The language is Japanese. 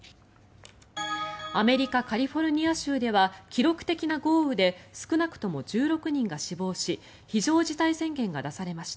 アメリカ・カリフォルニア州では記録的な豪雨で少なくとも１６人が死亡し非常事態宣言が出されました。